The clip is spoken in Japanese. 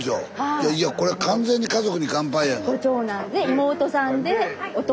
いやいやこれ完全に「家族に乾杯」やな。